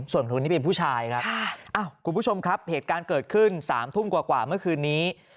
ส่วนคนนี้เป็นผู้ชายครับคุณผู้ชมครับเหตุการณ์เกิดขึ้น๓ทุ่มกว่าเมื่อคืนนี้